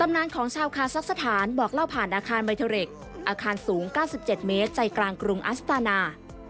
หลังจากเมืองอสตนา